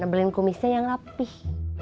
nebelin kumisnya yang rapih